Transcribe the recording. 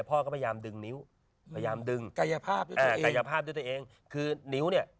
พ่อก็พยายามดึงนิ้ว